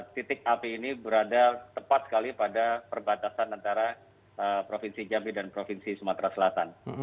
titik api ini berada tepat sekali pada perbatasan antara provinsi jambi dan provinsi sumatera selatan